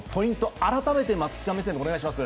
改めて松木さん目線でお願いします。